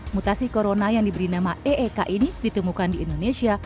mutasi corona yang diberi nama e e k ini ditemukan di indonesia